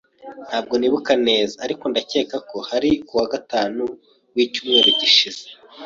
Ntabwo nibuka neza, ariko ndakeka ko hari kuwa gatanu wicyumweru gishize.